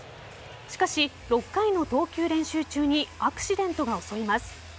しかし６回の投球練習中にアクシデントが襲います。